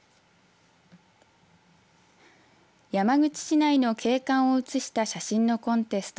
山口市内の景観を写した写真のコンテスト